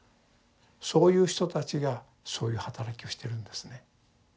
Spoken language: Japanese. そういう人たちがそういうはたらきをしてるんですね。